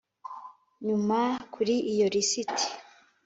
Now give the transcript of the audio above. Nyuma kuri iyo lisiti